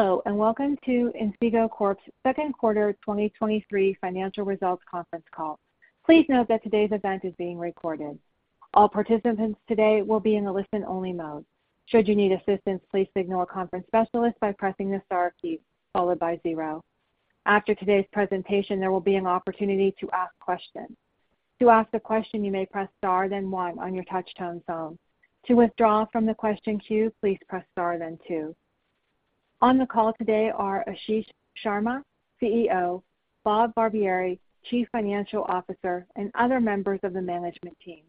Hello, Welcome to Inseego Corp's Q2 2023 Financial Results Conference Call. Please note that today's event is being recorded. All participants today will be in a listen-only mode. Should you need assistance, please signal a conference specialist by pressing the star key followed by 0. After today's presentation, there will be an opportunity to ask questions. To ask a question, you may press star, then 1 on your touchtone phone. To withdraw from the question queue, please press star, then 2. On the call today are Ashish Sharma, CEO, Bob Barbieri, Chief Financial Officer, and other members of the management team.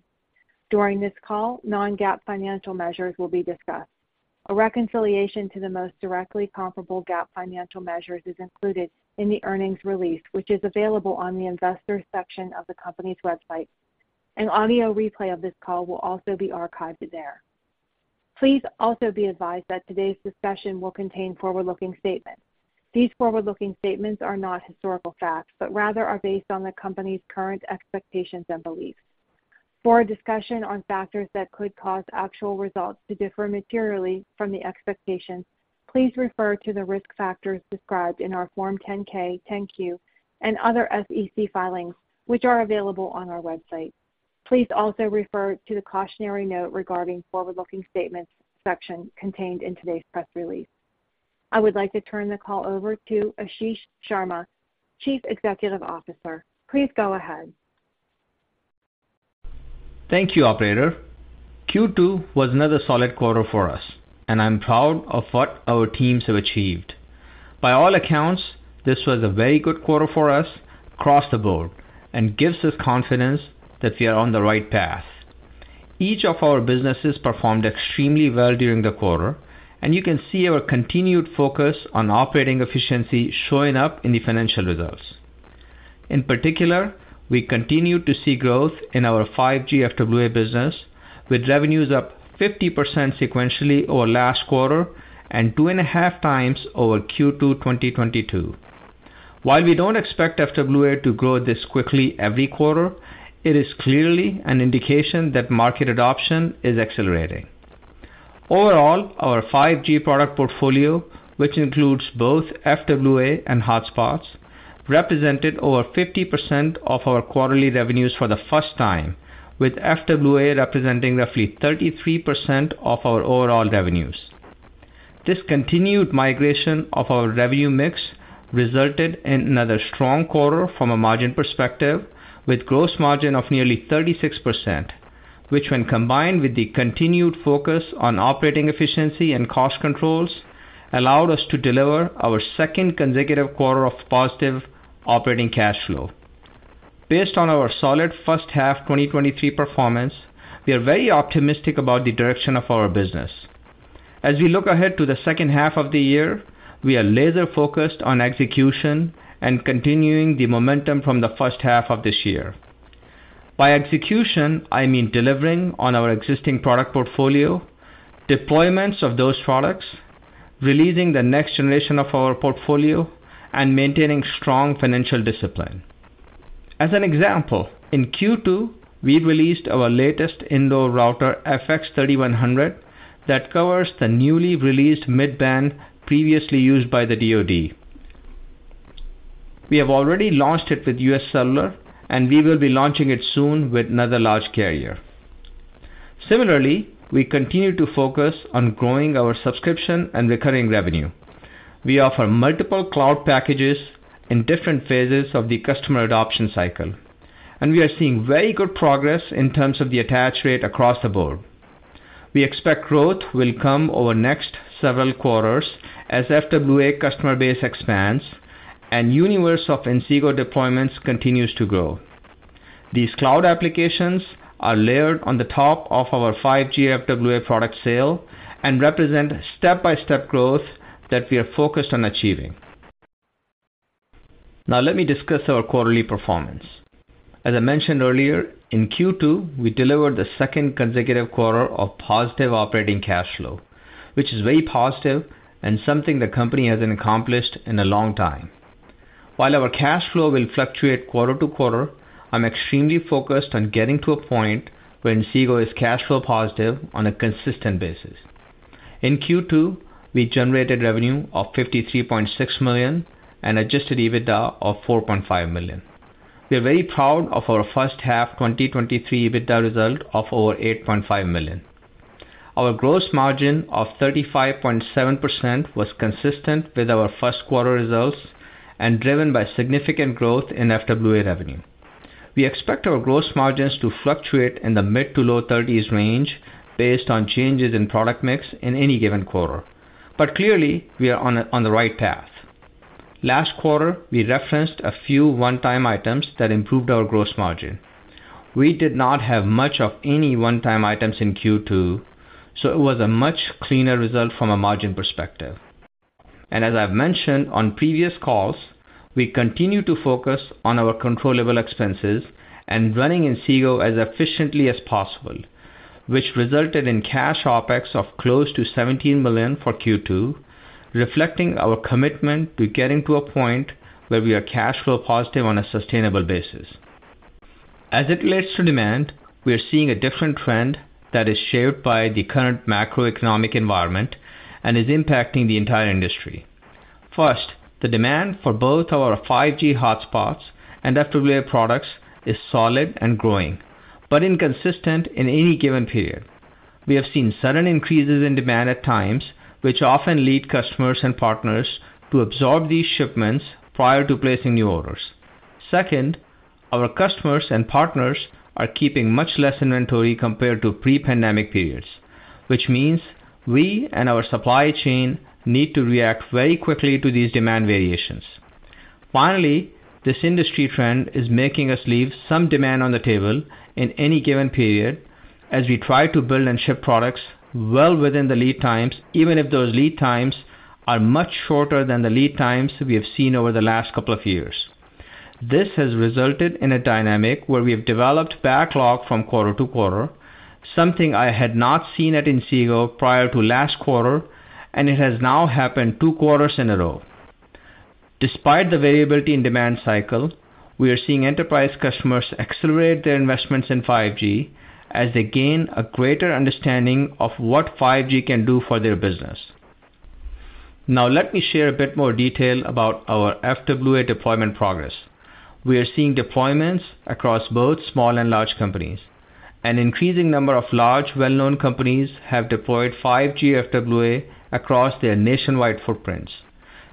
During this call, non-GAAP financial measures will be discussed. A reconciliation to the most directly comparable GAAP financial measures is included in the earnings release, which is available on the investors section of the company's website. An audio replay of this call will also be archived there. Please also be advised that today's discussion will contain forward-looking statements. These forward-looking statements are not historical facts, but rather are based on the company's current expectations and beliefs. For a discussion on factors that could cause actual results to differ materially from the expectations, please refer to the risk factors described in our Form 10-K, 10-Q, and other SEC filings, which are available on our website. Please also refer to the cautionary note regarding forward-looking statements section contained in today's press release. I would like to turn the call over to Ashish Sharma, Chief Executive Officer. Please go ahead. Thank you, operator. Q2 was another solid quarter for us, and I'm proud of what our teams have achieved. By all accounts, this was a very good quarter for us across the board and gives us confidence that we are on the right path. Each of our businesses performed extremely well during the quarter, and you can see our continued focus on operating efficiency showing up in the financial results. In particular, we continued to see growth in our 5G FWA business, with revenues up 50% sequentially over last quarter and 2.5 times over Q2 2022. While we don't expect FWA to grow this quickly every quarter, it is clearly an indication that market adoption is accelerating. Overall, our 5G product portfolio, which includes both FWA and hotspots, represented over 50% of our quarterly revenues for the first time, with FWA representing roughly 33% of our overall revenues. This continued migration of our revenue mix resulted in another strong quarter from a margin perspective, with gross margin of nearly 36%, which, when combined with the continued focus on operating efficiency and cost controls, allowed us to deliver our second consecutive quarter of positive operating cash flow. Based on our solid first half 2023 performance, we are very optimistic about the direction of our business. As we look ahead to the second half of the year, we are laser-focused on execution and continuing the momentum from the first half of this year. By execution, I mean delivering on our existing product portfolio, deployments of those products, releasing the next generation of our portfolio, and maintaining strong financial discipline. As an example, in Q2, we released our latest indoor router, FX3100, that covers the newly released mid-band previously used by the DoD. We have already launched it with UScellular, and we will be launching it soon with another large carrier. Similarly, we continue to focus on growing our subscription and recurring revenue. We offer multiple cloud packages in different phases of the customer adoption cycle, and we are seeing very good progress in terms of the attach rate across the board. We expect growth will come over the next several quarters as FWA customer base expands and universe of Inseego deployments continues to grow. These cloud applications are layered on the top of our 5G FWA product sale and represent step-by-step growth that we are focused on achieving. Now let me discuss our quarterly performance. As I mentioned earlier, in Q2, we delivered the second consecutive quarter of positive operating cash flow, which is very positive and something the company hasn't accomplished in a long time. While our cash flow will fluctuate quarter to quarter, I'm extremely focused on getting to a point when Inseego is cash flow positive on a consistent basis. In Q2, we generated revenue of $53.6 million and adjusted EBITDA of $4.5 million. We are very proud of our first half 2023 EBITDA result of over $8.5 million. Our gross margin of 35.7% was consistent with our first quarter results and driven by significant growth in FWA revenue. We expect our gross margins to fluctuate in the mid-to-low 30s range based on changes in product mix in any given quarter, clearly, we are on the right path. Last quarter, we referenced a few one-time items that improved our gross margin. We did not have much of any one-time items in Q2, it was a much cleaner result from a margin perspective. As I've mentioned on previous calls, we continue to focus on our controllable expenses and running Inseego as efficiently as possible, which resulted in cash OpEx of close to $17 million for Q2, reflecting our commitment to getting to a point where we are cash flow positive on a sustainable basis. As it relates to demand, we are seeing a different trend that is shaped by the current macroeconomic environment and is impacting the entire industry. First, the demand for both our 5G hotspots and FWA products is solid and growing, but inconsistent in any given period. We have seen sudden increases in demand at times, which often lead customers and partners to absorb these shipments prior to placing new orders. Second, our customers and partners are keeping much less inventory compared to pre-pandemic periods, which means we and our supply chain need to react very quickly to these demand variations. Finally, this industry trend is making us leave some demand on the table in any given period as we try to build and ship products well within the lead times, even if those lead times are much shorter than the lead times we have seen over the last couple of years. This has resulted in a dynamic where we have developed backlog from quarter to quarter, something I had not seen at Inseego prior to last quarter, and it has now happened two quarters in a row. Despite the variability in demand cycle, we are seeing enterprise customers accelerate their investments in 5G as they gain a greater understanding of what 5G can do for their business. Now, let me share a bit more detail about our FWA deployment progress. We are seeing deployments across both small and large companies. An increasing number of large, well-known companies have deployed 5G FWA across their nationwide footprints.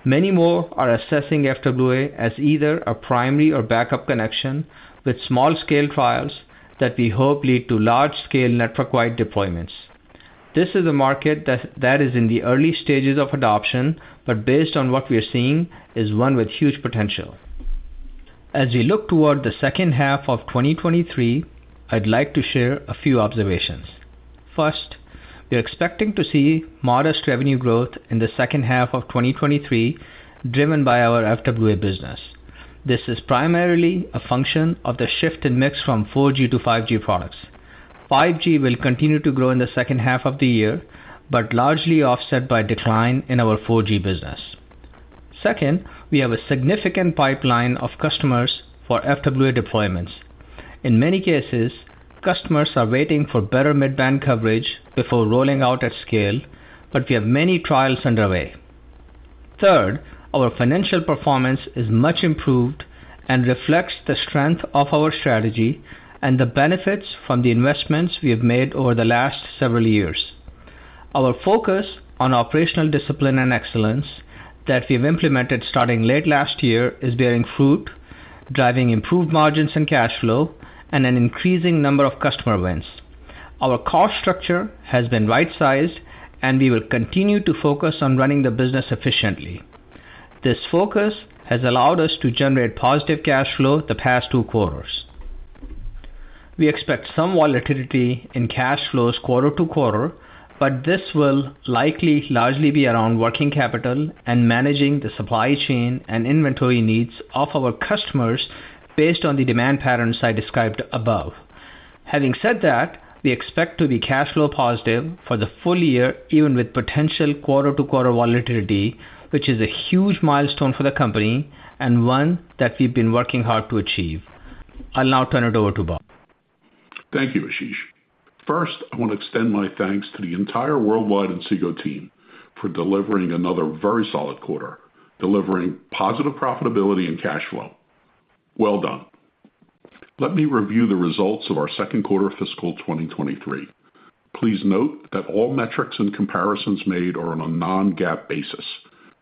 Many more are assessing FWA as either a primary or backup connection, with small-scale trials that we hope lead to large-scale network-wide deployments. This is a market that, that is in the early stages of adoption, but based on what we are seeing, is one with huge potential. As we look toward the second half of 2023, I'd like to share a few observations. First, we are expecting to see modest revenue growth in the second half of 2023, driven by our FWA business. This is primarily a function of the shift in mix from 4G to 5G products. 5G will continue to grow in the second half of the year, but largely offset by decline in our 4G business. Second, we have a significant pipeline of customers for FWA deployments. In many cases, customers are waiting for better mid-band coverage before rolling out at scale, but we have many trials underway. Third, our financial performance is much improved and reflects the strength of our strategy and the benefits from the investments we have made over the last several years. Our focus on operational discipline and excellence that we've implemented starting late last year, is bearing fruit, driving improved margins and cash flow and an increasing number of customer wins. Our cost structure has been right-sized, and we will continue to focus on running the business efficiently. This focus has allowed us to generate positive cash flow the past two quarters. We expect some volatility in cash flows quarter to quarter, but this will likely largely be around working capital and managing the supply chain and inventory needs of our customers based on the demand patterns I described above. Having said that, we expect to be cash flow positive for the full year, even with potential quarter-to-quarter volatility, which is a huge milestone for the company and one that we've been working hard to achieve. I'll now turn it over to Bob. Thank you, Ashish. First, I want to extend my thanks to the entire worldwide Inseego team for delivering another very solid quarter, delivering positive profitability and cash flow. Well done! Let me review the results of our Q2 of fiscal 2023. Please note that all metrics and comparisons made are on a non-GAAP basis.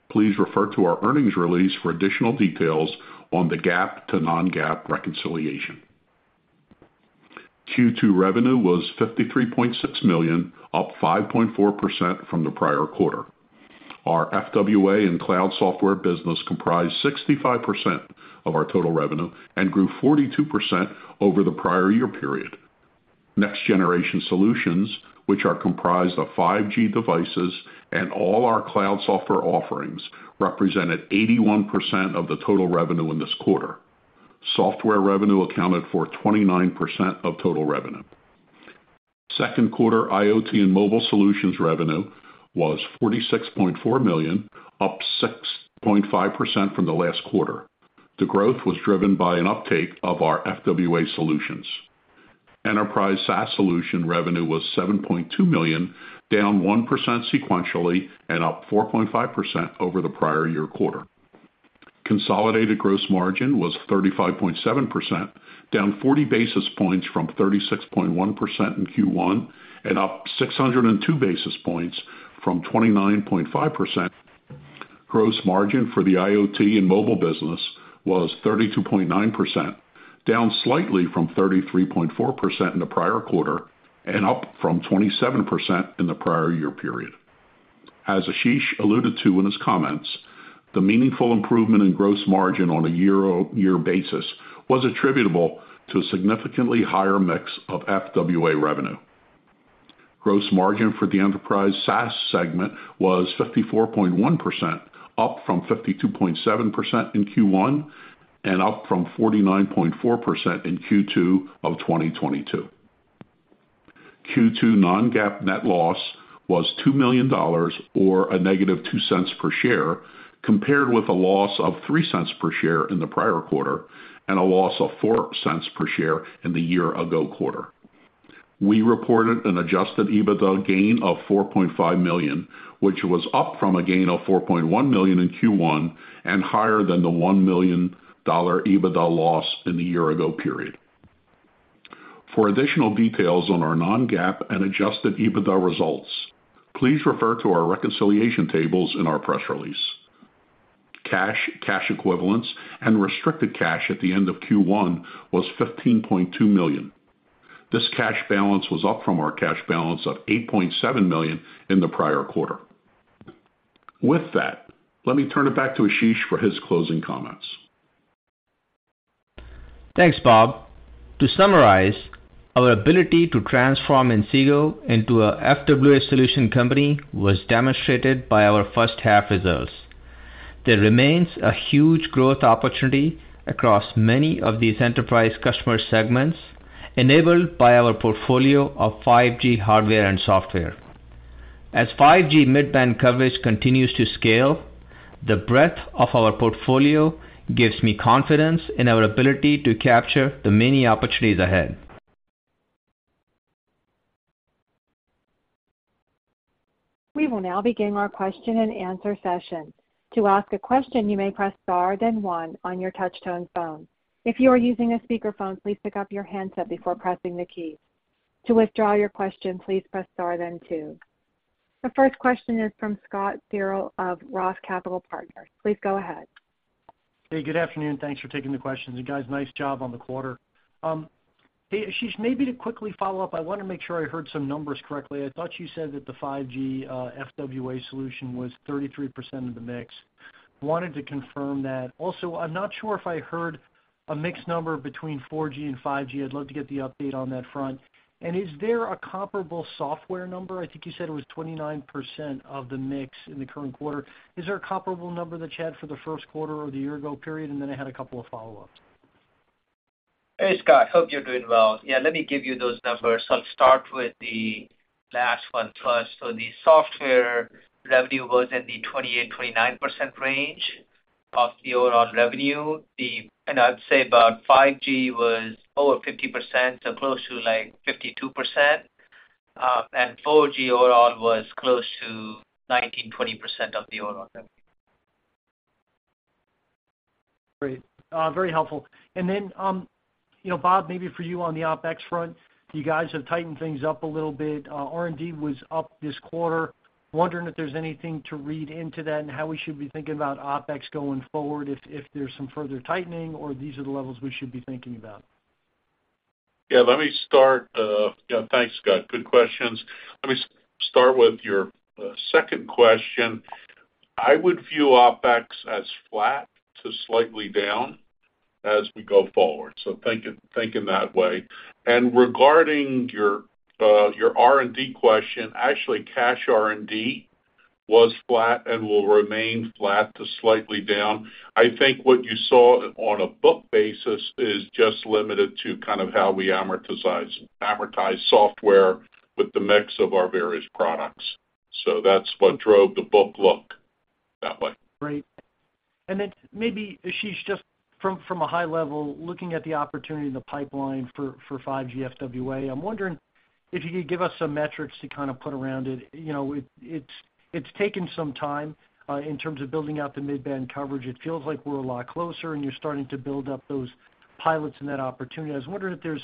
Please refer to our earnings release for additional details on the GAAP to non-GAAP reconciliation. Q2 revenue was $53.6 million, up 5.4% from the prior quarter. Our FWA and cloud software business comprised 65% of our total revenue and grew 42% over the prior year period. Next-generation solutions, which are comprised of 5G devices and all our cloud software offerings, represented 81% of the total revenue in this quarter. Software revenue accounted for 29% of total revenue. Second quarter IoT & Mobile Solutions revenue was $46.4 million, up 6.5% from the last quarter. The growth was driven by an uptake of our FWA solutions. Enterprise SaaS solution revenue was $7.2 million, down 1% sequentially and up 4.5% over the prior year quarter. Consolidated gross margin was 35.7%, down 40 basis points from 36.1% in Q1, and up 602 basis points from 29.5%. Gross margin for the IoT and mobile business was 32.9%, down slightly from 33.4% in the prior quarter and up from 27% in the prior year period. As Ashish alluded to in his comments, the meaningful improvement in gross margin on a year-over-year basis was attributable to a significantly higher mix of FWA revenue. Gross margin for the Enterprise SaaS segment was 54.1%, up from 52.7% in Q1 and up from 49.4% in Q2 of 2022. Q2 non-GAAP net loss was $2 million or a negative $0.02 per share, compared with a loss of $0.03 per share in the prior quarter and a loss of $0.04 per share in the year ago quarter. We reported an adjusted EBITDA gain of $4.5 million, which was up from a gain of $4.1 million in Q1 and higher than the $1 million EBITDA loss in the year ago period. For additional details on our non-GAAP and adjusted EBITDA results, please refer to our reconciliation tables in our press release. Cash, cash equivalents, and restricted cash at the end of Q1 was $15.2 million. This cash balance was up from our cash balance of $8.7 million in the prior quarter. With that, let me turn it back to Ashish for his closing comments. Thanks, Bob. To summarize, our ability to transform Inseego into a FWA solution company was demonstrated by our first half results. There remains a huge growth opportunity across many of these enterprise customer segments, enabled by our portfolio of 5G hardware and software. As 5G mid-band coverage continues to scale, the breadth of our portfolio gives me confidence in our ability to capture the many opportunities ahead. We will now begin our question-and-answer session. To ask a question, you may press star, then 1 on your touchtone phone. If you are using a speakerphone, please pick up your handset before pressing the keys. To withdraw your question, please press star, then 2. The first question is from Scott Searle of Roth Capital Partners. Please go ahead. Hey, good afternoon. Thanks for taking the questions. You guys, nice job on the quarter. Hey, Ashish, maybe to quickly follow up, I wanna make sure I heard some numbers correctly. I thought you said that the 5G FWA solution was 33% of the mix. Wanted to confirm that. Also, I'm not sure if I heard a mix number between 4G and 5G. I'd love to get the update on that front. Is there a comparable software number? I think you said it was 29% of the mix in the current quarter. Is there a comparable number that you had for the Q1 or the year-ago period? I had a couple of follow-ups. Hey, Scott. Hope you're doing well. Yeah, let me give you those numbers. I'll start with the last one first. The software revenue was in the 28%-29% range of the overall revenue. I'd say about 5G was over 50%, so close to, like, 52%, and 4G overall was close to 19%-20% of the overall revenue. Great. Very helpful. You know, Bob, maybe for you on the OpEx front, you guys have tightened things up a little bit. R&D was up this quarter. Wondering if there's anything to read into that and how we should be thinking about OpEx going forward, if, if there's some further tightening or these are the levels we should be thinking about? Yeah, let me start. Yeah, thanks, Scott. Good questions. Let me start with your second question. I would view OpEx as flat to slightly down as we go forward, so think it, think in that way. Regarding your R&D question, actually, cash R&D was flat and will remain flat to slightly down. I think what you saw on a book basis is just limited to kind of how we amortize software with the mix of our various products. That's what drove the book look that way. Great. Then maybe, Ashish, just from, from a high level, looking at the opportunity in the pipeline for 5G FWA, I'm wondering if you could give us some metrics to kind of put around it. You know, it, it's, it's taken some time, in terms of building out the mid-band coverage. It feels like we're a lot closer, and you're starting to build up those pilots and that opportunity. I was wondering if there's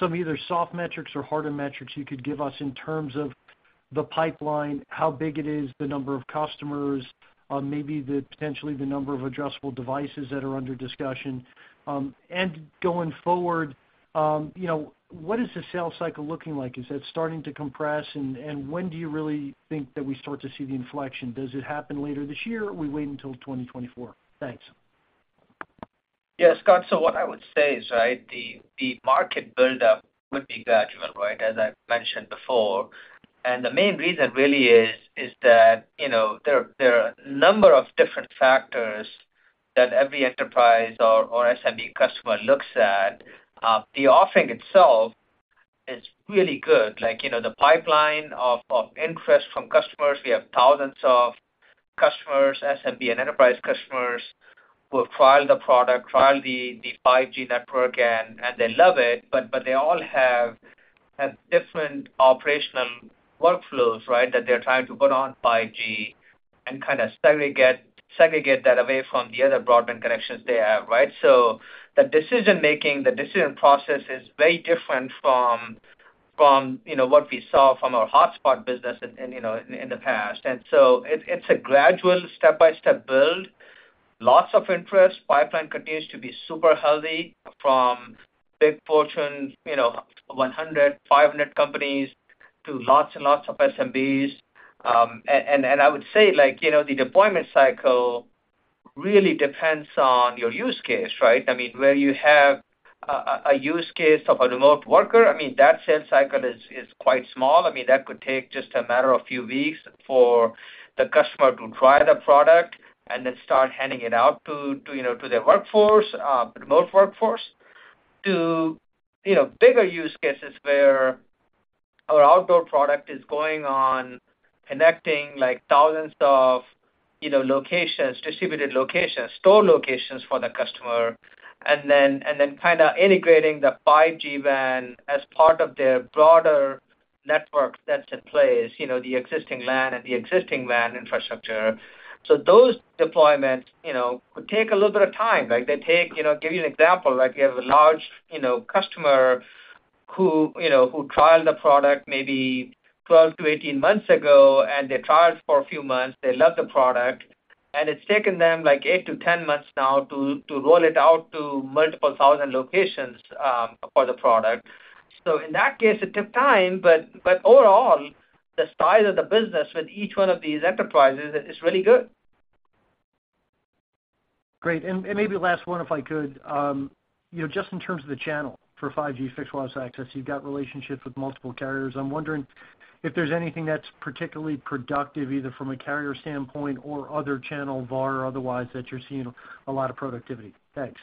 some either soft metrics or harder metrics you could give us in terms of the pipeline, how big it is, the number of customers, maybe the, potentially the number of addressable devices that are under discussion. Going forward, you know, what is the sales cycle looking like? Is it starting to compress, and when do you really think that we start to see the inflection? Does it happen later this year, or we wait until 2024? Thanks. Yeah, Scott, so what I would say is, right, the, the market buildup would be gradual, right? As I mentioned before, and the main reason really is, is that, you know, there are, there are a number of different factors that every enterprise or, or SMB customer looks at. The offering itself is really good. Like, you know, the pipeline of, of interest from customers, we have thousands of customers, SMB and enterprise customers, who have tried the product, tried the, the 5G network, and, and they love it, but, but they all have, have different operational workflows, right? That they're trying to put on 5G and kind of segregate, segregate that away from the other broadband connections they have, right? The decision-making, the decision process is very different from, from, you know, what we saw from our hotspot business in, in, you know, in, in the past. It's a gradual step-by-step build. Lots of interest, pipeline continues to be super healthy from big Fortune, you know, 100, 500 companies to lots and lots of SMBs. I would say, like, you know, the deployment cycle really depends on your use case, right? I mean, where you have a, a, a use case of a remote worker, I mean, that sales cycle is, is quite small. I mean, that could take just a matter of few weeks for the customer to try the product. start handing it out to, to, you know, to their workforce, remote workforce, to, you know, bigger use cases where our outdoor product is going on connecting like thousands of, you know, locations, distributed locations, store locations for the customer, and then, and then kind of integrating the 5G WAN as part of their broader network that's in place, you know, the existing LAN and the existing WAN infrastructure. Those deployments, you know, take a little bit of time. Like they take, you know, give you an example, like you have a large, you know, customer who, you know, who trialed the product maybe 12 to 18 months ago, and they tried for a few months. They love the product, and it's taken them, like, 8 to 10 months now to, to roll it out to multiple thousand locations for the product. In that case, it took time, but overall, the size of the business with each one of these enterprises is really good. Great. Maybe last one, if I could. You know, just in terms of the channel for 5G Fixed Wireless Access, you've got relationships with multiple carriers. I'm wondering if there's anything that's particularly productive, either from a carrier standpoint or other channel, VAR or otherwise, that you're seeing a lot of productivity. Thanks.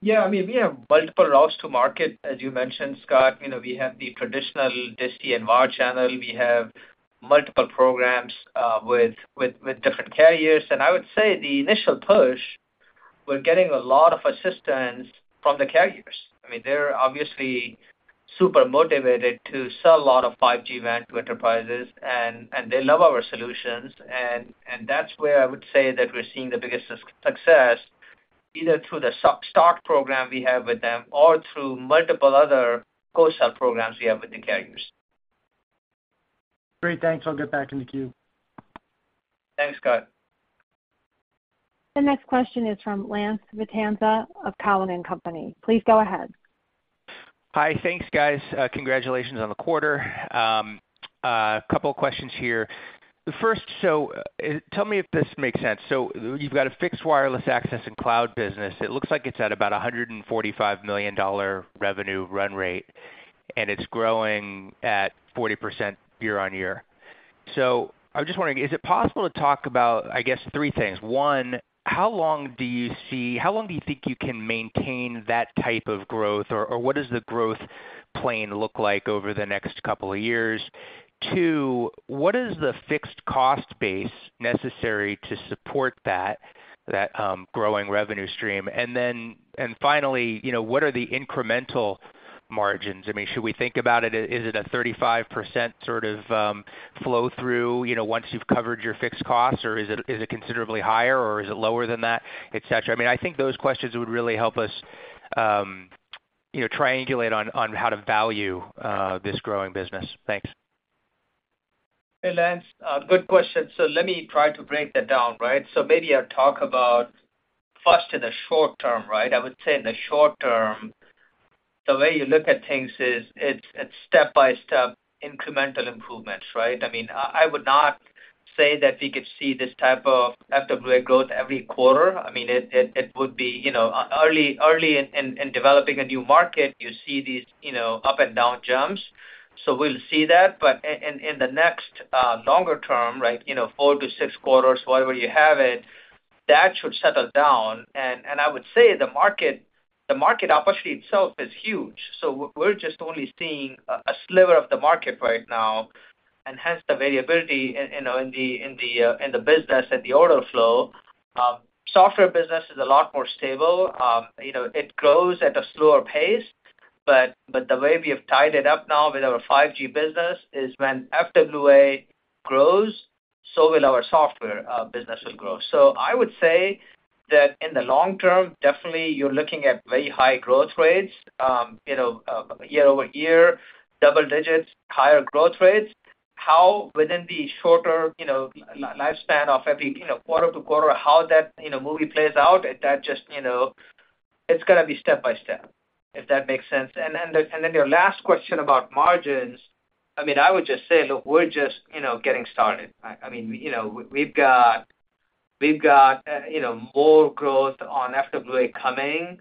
Yeah, I mean, we have multiple routes to market, as you mentioned, Scott. You know, we have the traditional disty and VAR channel. We have multiple programs with different carriers. I would say the initial push, we're getting a lot of assistance from the carriers. I mean, they're obviously super motivated to sell a lot of 5G WAN to enterprises, and they love our solutions, and that's where I would say that we're seeing the biggest success, either through the SOC-start program we have with them or through multiple other co-sell programs we have with the carriers. Great, thanks. I'll get back in the queue. Thanks, Scott. The next question is from Lance Vitanza of Cowen and Company. Please go ahead. Hi. Thanks, guys. Congratulations on the quarter. A couple of questions here. The first, tell me if this makes sense. You've got a fixed wireless access and cloud business. It looks like it's at about a $145 million revenue run rate, and it's growing at 40% year-over-year. I was just wondering, is it possible to talk about, I guess, three things? One, how long do you think you can maintain that type of growth, or what does the growth plane look like over the next couple of years? Two, what is the fixed cost base necessary to support that growing revenue stream? Finally, you know, what are the incremental margins? I mean, should we think about it, is it a 35% sort of, flow through, you know, once you've covered your fixed costs, or is it, is it considerably higher, or is it lower than that, et cetera? I mean, I think those questions would really help us, you know, triangulate on, on how to value, this growing business. Thanks. Hey, Lance, good question. Let me try to break that down, right? Maybe I'll talk about first in the short term, right? I would say in the short term, the way you look at things is it's, it's step-by-step incremental improvements, right? I mean, I, I would not say that we could see this type of FWA growth every quarter. I mean, it, it, it would be, you know, early, early in, in, in developing a new market, you see these, you know, up and down jumps. We'll see that. In the next, longer term, right, you know, four to six quarters, whatever you have it, that should settle down. I would say the market, the market opportunity itself is huge. We're just only seeing a, a sliver of the market right now, and hence the variability in, you know, in the, in the business and the order flow. Software business is a lot more stable. You know, it grows at a slower pace, but, but the way we have tied it up now with our 5G business is when FWA grows, so will our software business will grow. I would say that in the long term, definitely you're looking at very high growth rates, you know, year-over-year, double digits, higher growth rates. How within the shorter, you know, lifespan of every, you know, quarter-to-quarter, how that, you know, movie plays out, that just, you know, it's gonna be step by step, if that makes sense. and then your last question about margins, I mean, I would just say, look, we're just, you know, getting started, right? I mean, you know, we've got, we've got, you know, more growth on FWA coming.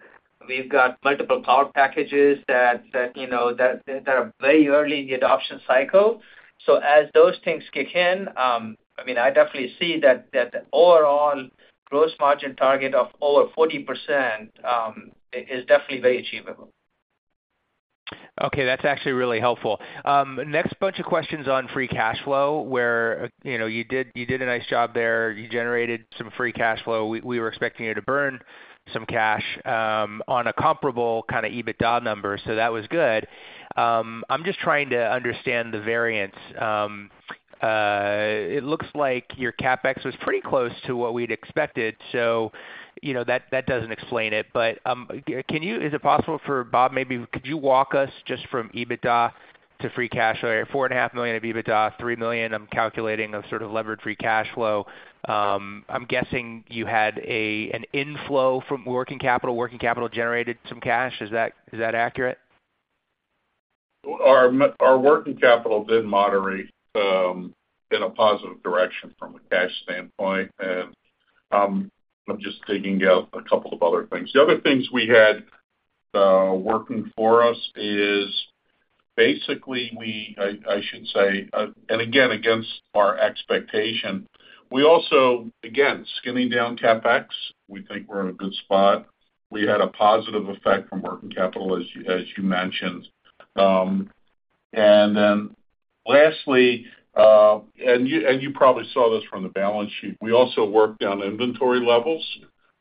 We've got multiple cloud packages that, that, you know, that, that are very early in the adoption cycle. As those things kick in, I mean, I definitely see that, that the overall gross margin target of over 40%, is definitely very achievable. Okay, that's actually really helpful. Next bunch of questions on free cash flow, where, you know, you did, you did a nice job there. You generated some free cash flow. We, we were expecting you to burn some cash on a comparable kind of EBITDA number, so that was good. I'm just trying to understand the variance. It looks like your CapEx was pretty close to what we'd expected, so you know, that, that doesn't explain it. Is it possible for Bob, maybe could you walk us just from EBITDA to free cash flow? $4.5 million of EBITDA, $3 million, I'm calculating, of sort of levered free cash flow. I'm guessing you had a, an inflow from working capital, working capital generated some cash. Is that, is that accurate? Our working capital did moderate in a positive direction from a cash standpoint. I'm just digging out a couple of other things. The other things we had working for us. Basically, we, I, I should say, against our expectation, we also, again, skimming down CapEx, we think we're in a good spot. We had a positive effect from working capital, as you, as you mentioned. Lastly, you probably saw this from the balance sheet, we also worked down inventory levels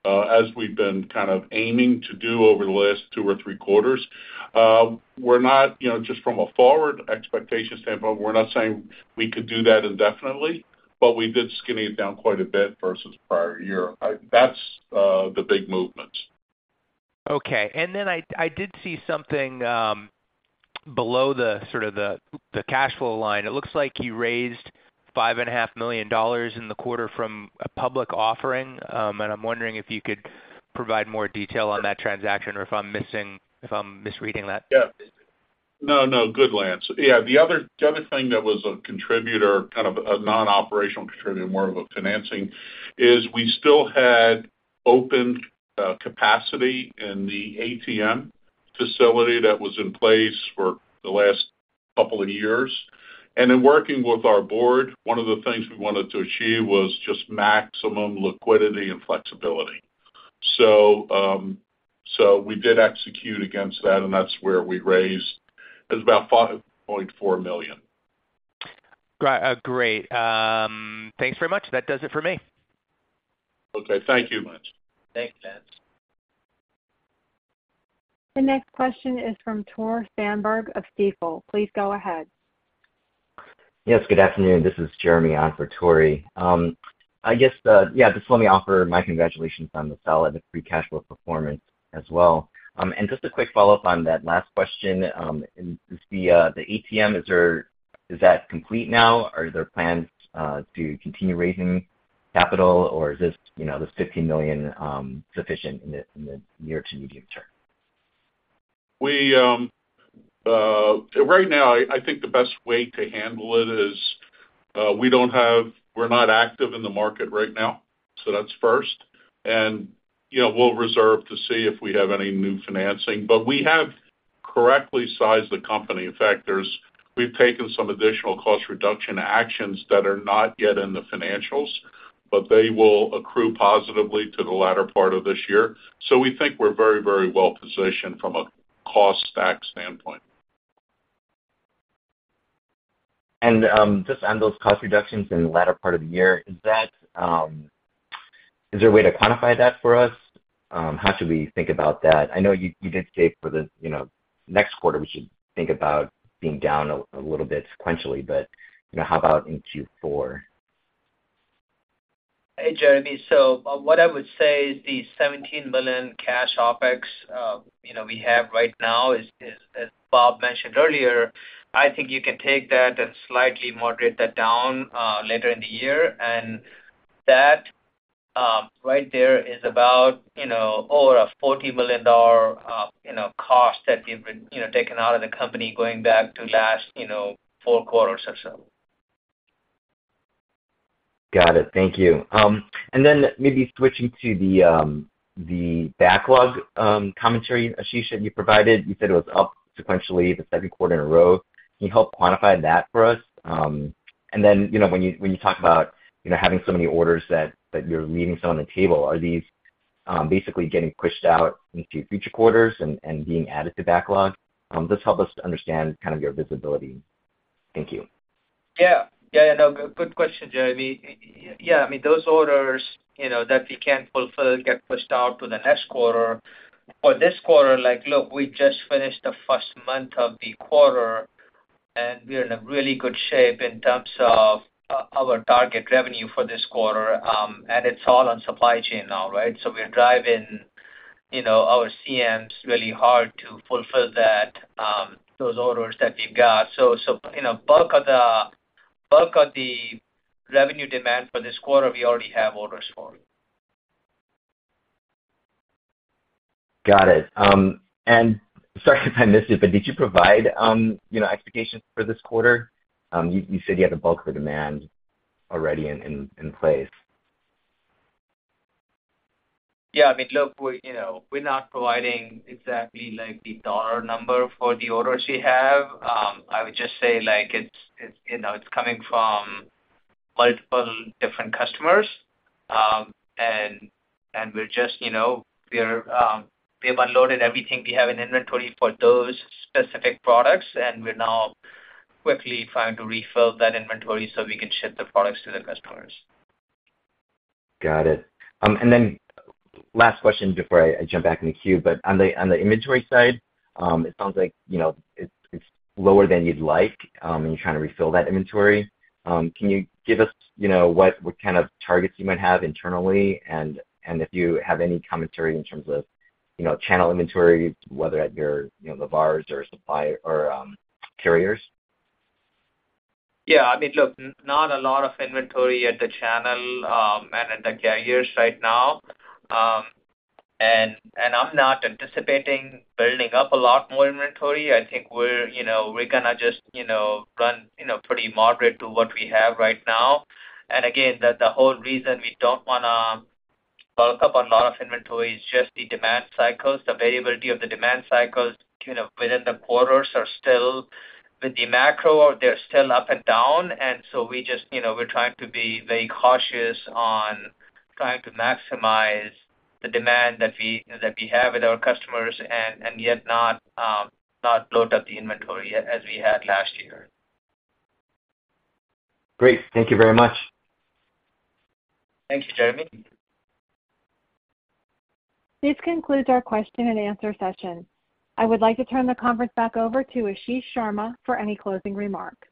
as we've been kind of aiming to do over the last two or three quarters. We're not, you know, just from a forward expectation standpoint, we're not saying we could do that indefinitely, but we did skinny it down quite a bit versus prior year. That's the big movement. Okay, then I, I did see something below the sort of the, the cash flow line. It looks like you raised $5.5 million in the quarter from a public offering, and I'm wondering if you could provide more detail on that transaction or if I'm missing, if I'm misreading that? Yeah. No, no, good, Lance. Yeah, the other, the other thing that was a contributor, kind of a non-operational contributor, more of a financing, is we still had open capacity in the ATM facility that was in place for the last couple of years. In working with our board, one of the things we wanted to achieve was just maximum liquidity and flexibility. We did execute against that, and that's where we raised about $5.4 million. Great. Thanks very much. That does it for me. Okay. Thank you, Lance. Thanks, Lance. The next question is from Tore Svanberg of Stifel. Please go ahead. Yes, good afternoon. This is Jeremy on for Tore. I guess, Yeah, just let me offer my congratulations on the solid free cash flow performance as well. Just a quick follow-up on that last question, is the ATM, is that complete now? Are there plans to continue raising capital, or is this, you know, this $15 million sufficient in the, in the near to medium term? We right now, I, I think the best way to handle it is, we're not active in the market right now, so that's first. You know, we'll reserve to see if we have any new financing, but we have correctly sized the company. In fact, there's, we've taken some additional cost reduction actions that are not yet in the financials, but they will accrue positively to the latter part of this year. We think we're very, very well positioned from a cost stack standpoint. Just on those cost reductions in the latter part of the year, is that, is there a way to quantify that for us? How should we think about that? I know you, you did say for the, you know, next quarter, we should think about being down a little bit sequentially, but, you know, how about in Q4? Hey, Jeremy. What I would say is the $17 million cash OpEx, you know, we have right now is, is, as Bob mentioned earlier, I think you can take that and slightly moderate that down later in the year. That right there is about, you know, over a $40 million, you know, cost that we've been, you know, taken out of the company going back to last, you know, four quarters or so. Got it. Thank you. Maybe switching to the backlog commentary, Ashish, that you provided. You said it was up sequentially the Q2 in a row. Can you help quantify that for us? You know, when you, when you talk about, you know, having so many orders that, that you're leaving some on the table, are these basically getting pushed out into future quarters and being added to backlog? Just help us to understand kind of your visibility. Thank you. Yeah, yeah, yeah, no, good question, Jeremy. Yeah, I mean, those orders, you know, that we can't fulfill, get pushed out to the next quarter. For this quarter, like, look, we just finished the first month of the quarter, we are in a really good shape in terms of our target revenue for this quarter, it's all on supply chain now, right? We are driving, you know, our CMs really hard to fulfill that, those orders that we've got. You know, bulk of the revenue demand for this quarter, we already have orders for. Got it. And sorry if I missed it, but did you provide, you know, expectations for this quarter? You, you said you had the bulk of the demand already in, in, in place. Yeah, I mean, look, we're, you know, we're not providing exactly like the dollar number for the orders we have. I would just say, like, it's, it's, you know, it's coming from multiple different customers, and, and we're just, you know, we're, we have unloaded everything we have in inventory for those specific products, and we're now quickly trying to refill that inventory so we can ship the products to the customers. Got it. Then last question before I, I jump back in the queue, but on the, on the inventory side, it sounds like, you know, it's, it's lower than you'd like, and you're trying to refill that inventory. Can you give us, you know, what, what kind of targets you might have internally, and, and if you have any commentary in terms of, you know, channel inventory, whether at your, you know, the bars or supplier or carriers? Yeah, I mean, look, not a lot of inventory at the channel, and at the carriers right now. I'm not anticipating building up a lot more inventory. I think we're, you know, we're gonna just, you know, run, you know, pretty moderate to what we have right now. Again, the, the whole reason we don't wanna bulk up a lot of inventory is just the demand cycles. The variability of the demand cycles, you know, within the quarters are still with the macro, they're still up and down, and so we just, you know, we're trying to be very cautious on trying to maximize the demand that we, that we have with our customers and, and yet not, not load up the inventory as we had last year. Great. Thank you very much. Thank you, Jeremy. This concludes our question and answer session. I would like to turn the conference back over to Ashish Sharma for any closing remarks.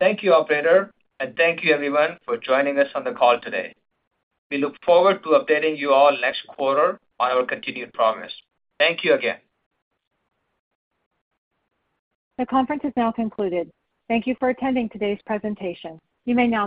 Thank you, operator, and thank you everyone for joining us on the call today. We look forward to updating you all next quarter on our continued promise. Thank you again. The conference is now concluded. Thank you for attending today's presentation. You may now disconnect.